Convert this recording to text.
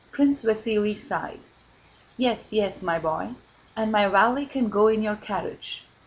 Prince Vasíli sighed. "Yes, yes, my boy. And my valet can go in your carriage.